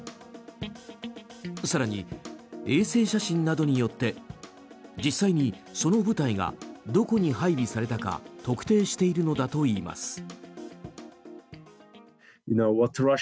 更に、衛星写真などによって実際にその部隊がどこに配備されたか特定しているのだといいます。